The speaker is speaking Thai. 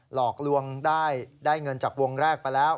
หลอกลวงได้เงินจากวงแรกไปแล้ว